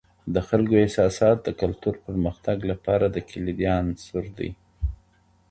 د خلګو احساسات د کلتور د پرمختګ لپاره د کليدي عنصر دي.